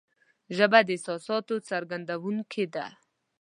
ژبه د احساساتو څرګندونکې ده